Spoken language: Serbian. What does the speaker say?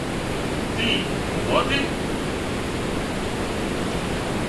Ти, у води!